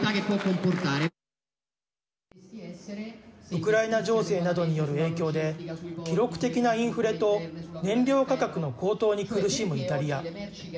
ウクライナ情勢などによる影響で記録的なインフレと燃料価格の高騰に苦しむイタリア。